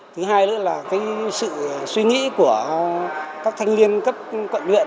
thứ hai nữa là sự suy nghĩ của các thanh niên cấp quận luyện